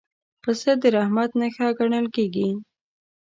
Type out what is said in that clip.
پسه د رحمت نښه ګڼل کېږي.